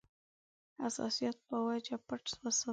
حساسیت په وجه پټ وساتي.